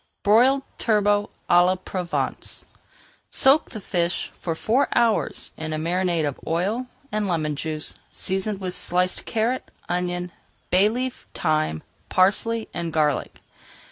BROILED TURBOT À LA PROVENCE Soak the fish for four hours in a marinade of oil and lemon juice, seasoned with sliced carrot, onion, bay leaf, thyme, parsley, and garlic.